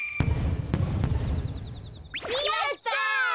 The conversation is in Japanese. やった！